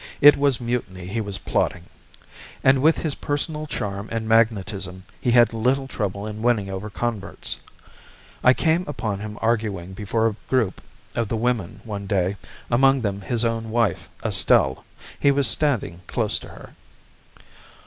It was mutiny he was plotting! And with his personal charm and magnetism he had little trouble in winning over converts. I came upon him arguing before a group of the women one day, among them his own wife, Estelle. He was standing close to her.